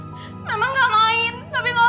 ai gak mungkin main sama perempuan lain